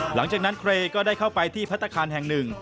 หลังจากนั้นเครก็ได้เข้าไปที่พัฒนาคารแห่งหนึ่ง